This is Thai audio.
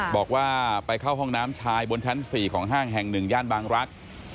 บอกว่าไปเข้าห้องน้ำชายบนชั้น๔ของห้างแห่ง๑ย่านบางรักษ์